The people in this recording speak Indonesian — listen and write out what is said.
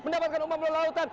dan umpan membelah lautan